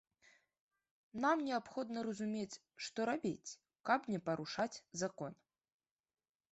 Нам неабходна разумець, што рабіць, каб не парушаць закон.